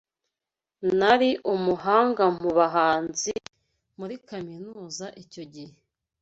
Nari umuhanga mubuhanzi muri kaminuza icyo gihe.